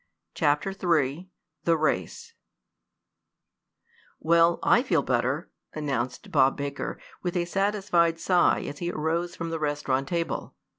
CHAPTER III THE RACE "Well, I feel better," announced Bob Baker, with a satisfied sigh as he arose from the restaurant table.